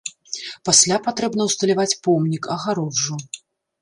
Пасля патрэбна ўсталяваць помнік, агароджу.